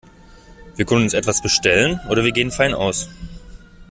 Wir können uns etwas bestellen oder wir gehen fein aus.